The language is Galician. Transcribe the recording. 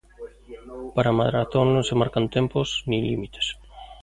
Para a maratón non se marcan tempos nin límites.